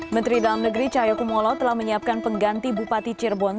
menteri dalam negeri cahayokumolo telah menyiapkan pengganti bupati cirebon